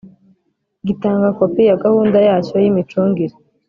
Gitanga kopi ya gahunda yacyo y’ imicungire